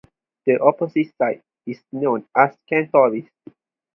The opposite side is known as Cantoris.